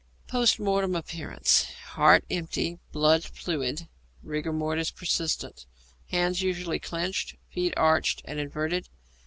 Post Mortem Appearances. Heart empty, blood fluid, rigor mortis persistent. Hands usually clenched; feet arched and inverted.